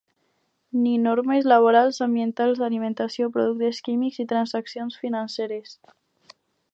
Ni normes laborals, ambientals, d’alimentació, productes químics i transaccions financeres.